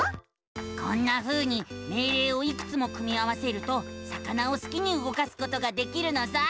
こんなふうに命令をいくつも組み合わせると魚をすきに動かすことができるのさ！